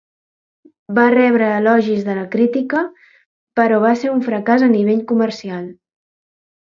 Va rebre elogis de la crítica, però va ser un fracàs a nivell comercial.